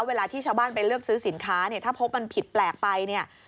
เวลาที่ชาวบ้านไปเลือกซื้อสินค้าเนี่ยถ้าพบมันผิดแปลกไปเนี่ย